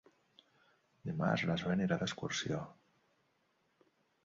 Dimarts na Zoè anirà d'excursió.